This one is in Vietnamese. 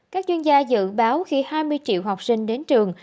các chuyên gia dự báo khi hai mươi triệu học sinh đến trường